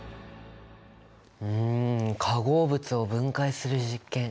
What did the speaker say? うん化合物を分解する実験